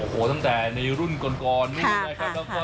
โอ้โหตั้งแต่ในรุ่นก่อนนี้นะครับ